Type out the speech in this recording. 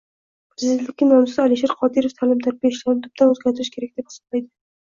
Prezidentlikka nomzod Alisher Qodirov ta’lim-tarbiya ishlarini tubdan o‘zgartirish kerak, deb hisoblaydi